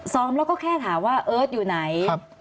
ซ้อมแล้วก็แค่ถามว่าเอิร์ทอยู่ไหน